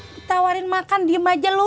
ditawarin makan diem aja loh